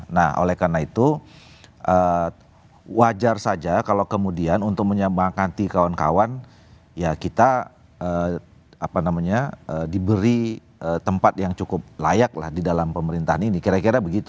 nah oleh karena itu wajar saja kalau kemudian untuk menyembangkanti kawan kawan ya kita diberi tempat yang cukup layak lah di dalam pemerintahan ini kira kira begitu